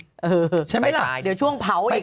ใช่ไหมล่ะเดี๋ยวช่วงเผาอีก